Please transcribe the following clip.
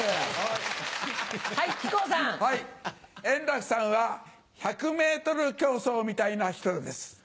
円楽さんは１００ｍ競走みたいな人です。